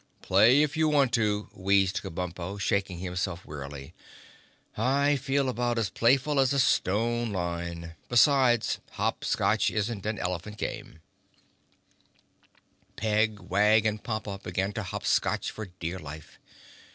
"Play if you want to," wheezed Kabumpo, shaking himself wearily, "I feel about as playful as a stone lion. Besides, hop scotch isn't an elephant game." [Illustration: (unlabelled)] Peg, Wag and Pompa began to hop scotch for dear life.